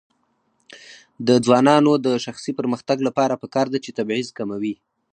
د ځوانانو د شخصي پرمختګ لپاره پکار ده چې تبعیض کموي.